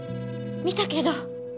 見たけど。